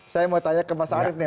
saya mau tanya ke mas arief nih